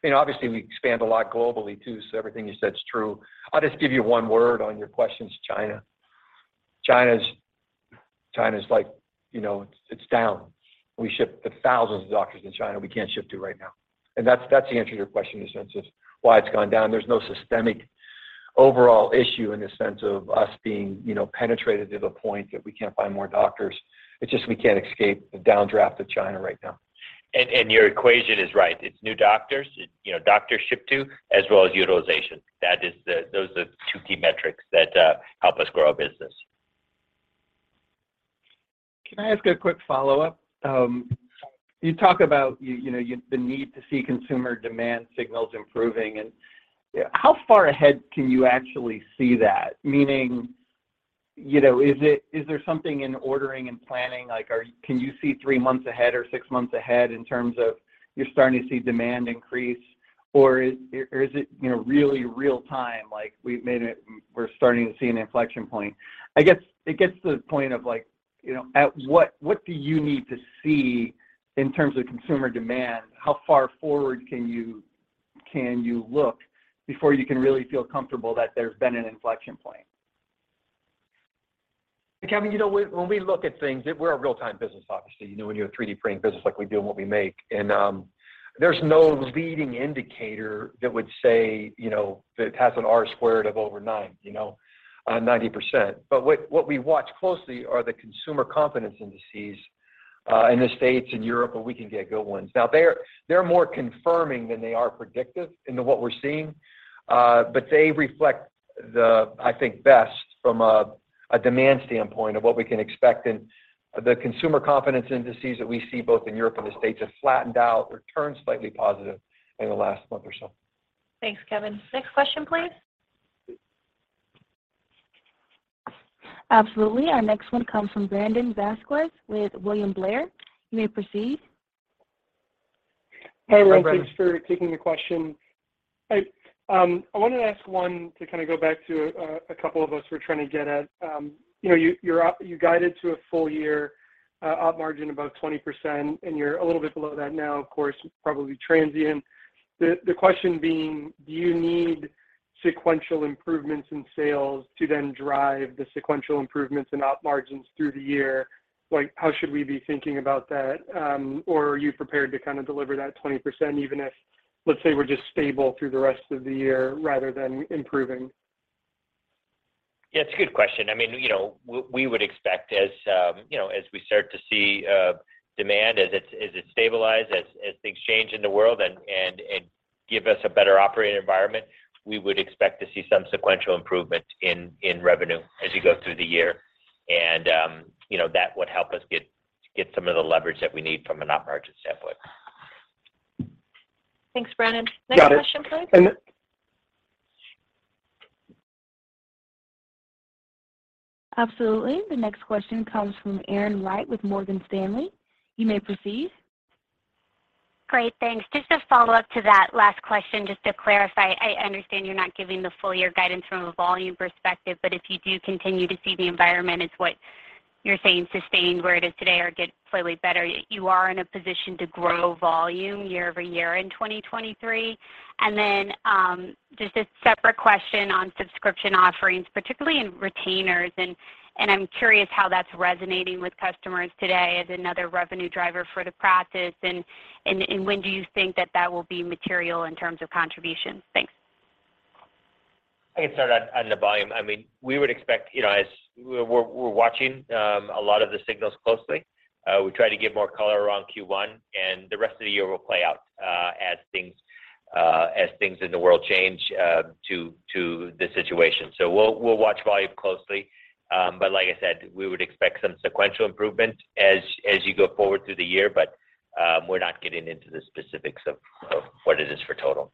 mean, obviously, we expand a lot globally too, so everything you said is true. I'll just give you one word on your questions, China. China's like, you know, it's down. We ship to thousands of doctors in China we can't ship to right now. That's the answer to your question in the sense of why it's gone down. There's no systemic overall issue in the sense of us being, you know, penetrated to the point that we can't find more doctors. It's just we can't escape the downdraft of China right now. And your equation is right. It's new doctors, you know, doctors ship to, as well as utilization. Those are two key metrics that help us grow our business. Can I ask a quick follow-up? You talk about you know, you the need to see consumer demand signals improving, and yeah how far ahead can you actually see that? Meaning, you know, is it is there something in ordering and planning like are can you see three months ahead or six months ahead in terms of you're starting to see demand increase? Or is it, you know, really real time, like we've made it we're starting to see an inflection point? I guess it gets to the point of like, you know, at what do you need to see in terms of consumer demand? How far forward can you, can you look before you can really feel comfortable that there's been an inflection point? Kevin, you know, when we look at things, we're a real-time business, obviously, you know, when you're a 3D printing business like we do and what we make. There's no leading indicator that would say, that it has an R-squared of over 90%. What we watch closely are the consumer confidence indices in the States and Europe, where we can get good ones. Now, they're more confirming than they are predictive into what we're seeing. They reflect the, I think, best from a demand standpoint of what we can expect. The consumer confidence indices that we see both in Europe and the States have flattened out or turned slightly positive in the last month or so. Thanks, Kevin. Next question, please. Absolutely. Our next one comes from Brandon Vazquez with William Blair. You may proceed. Hi, everyone. Thanks for taking the question. I wanted to ask one to kind of go back to a couple of us were trying to get at, you know, you guided to a full year op margin about 20%, and you're a little bit below that now, of course, probably transient. The question being, do you need sequential improvements in sales to then drive the sequential improvements in op margins through the year? Like, how should we be thinking about that? Are you prepared to kind of deliver that 20% even if, let's say, we're just stable through the rest of the year rather than improving? Yeah, it's a good question. I mean, you know, we would expect as, you know, as we start to see demand, as it stabilize, as things change in the world and give us a better operating environment, we would expect to see some sequential improvement in revenue as you go through the year. You know, that would help us get some of the leverage that we need from an op margin standpoint. Thanks, Brandon. Next question, please. Got it. And then- Absolutely. The next question comes from Erin Wright with Morgan Stanley. You may proceed. Great. Thanks. Just a follow-up to that last question, just to clarify, I understand you're not giving the full year guidance from a volume perspective, but if you do continue to see the environment as what you're saying, sustained where it is today or get slightly better, you are in a position to grow volume year-over-year in 2023. Then, just a separate question on subscription offerings, particularly in retainers, and I'm curious how that's resonating with customers today as another revenue driver for the practice and when do you think that that will be material in terms of contributions? Thanks. I can start on the volume. I mean, we would expect, you know, as we're watching a lot of the signals closely. We try to give more color around Q1, and the rest of the year will play out as things in the world change to the situation. We'll watch volume closely. Like I said, we would expect some sequential improvement as you go forward through the year, we're not getting into the specifics of what it is for total.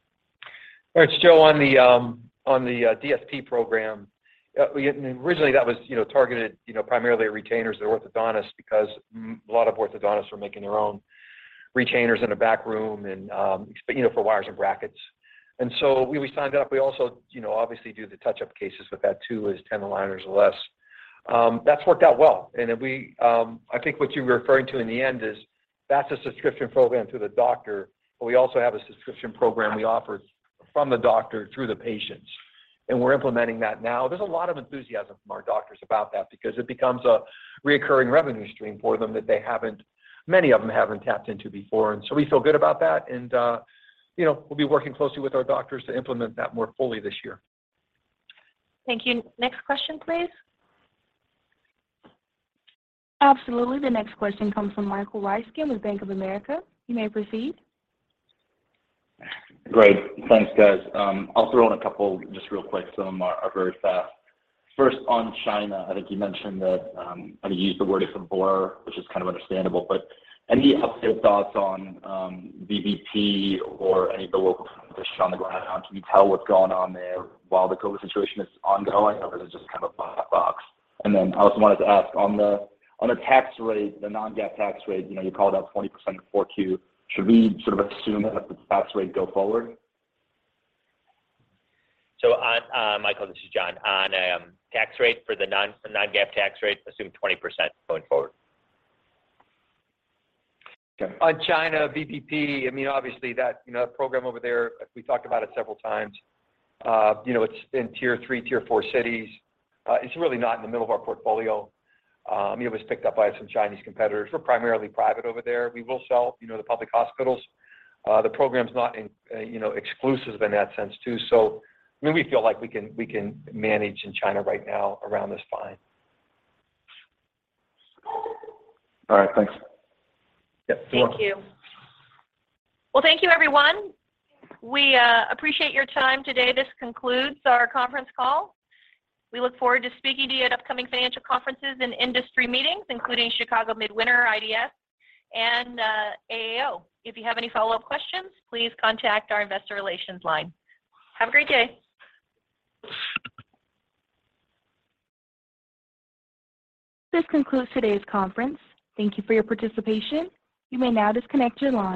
All right, Joe, on the on the DSP program, originally that was, you know, targeted, you know, primarily at retainers or orthodontists because a lot of orthodontists were making their own retainers in a back room, you know, for wires and brackets. When we signed up, we also, you know, obviously do the touch-up cases with that, too, as 10 aligners or less. That's worked out well. If we, I think what you're referring to in the end is that's a subscription program through the doctor, but we also have a subscription program we offer from the doctor through the patients, and we're implementing that now. There's a lot of enthusiasm from our doctors about that because it becomes a recurring revenue stream for them that many of them haven't tapped into before. We feel good about that and, you know, we'll be working closely with our doctors to implement that more fully this year. Thank you. Next question, please. Absolutely. The next question comes from Michael Ryskin with Bank of America. You may proceed. Great. Thanks, guys. I'll throw in a couple just real quick. Some are very fast. First, on China, I think you mentioned that, how you used the word it's a blur, which is kind of understandable, but any updates or thoughts on VBP or any of the local competition on the ground? Can you tell what's going on there while the COVID situation is ongoing, or is it just kind of a black box? I also wanted to ask on the, on the tax rate, the non-GAAP tax rate, you know, you called out 20% 4Q. Should we sort of assume that's the tax rate go forward? On, Michael, this is John. On, tax rate for the non-GAAP tax rate, assume 20% going forward. Okay. On China, VBP, I mean, obviously that, you know, program over there, we talked about it several times. You know, it's in tier three, tier four cities. It's really not in the middle of our portfolio. It was picked up by some Chinese competitors. We're primarily private over there. We will sell, you know, to public hospitals. The program's not in, you know, exclusive in that sense, too. I mean, we feel like we can, we can manage in China right now around this fine. All right. Thanks. Yep. You're welcome. Thank you. Well, thank you everyone. We appreciate your time today. This concludes our conference call. We look forward to speaking to you at upcoming financial conferences and industry meetings, including Chicago Midwinter, IDS, and AAO. If you have any follow-up questions, please contact our investor relations line. Have a great day. This concludes today's conference. Thank you for your participation. You may now disconnect your line.